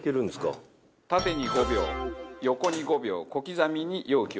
縦に５秒横に５秒小刻みに容器を振ってください。